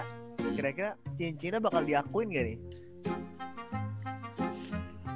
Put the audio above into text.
kira kira cincinnya bakal diakuin gak nih